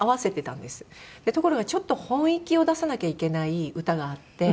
ところがちょっと本意気を出さなきゃいけない歌があって。